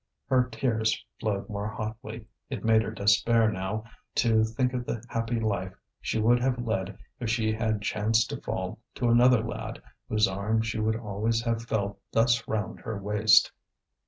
Her tears flowed more hotly; it made her despair now to think of the happy life she would have led if she had chanced to fall to another lad, whose arm she would always have felt thus round her waist.